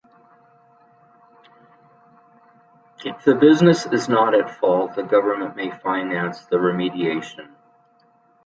If the business is not at fault, the government may finance the remediation.